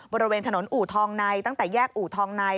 บริเวณถนนอู่ทองในตั้งแต่แยกอู่ทองใน